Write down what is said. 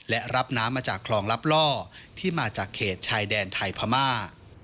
และรับน้ำมาจากคลองลับล่อที่มาจากเขตชายแดนไทยพม่า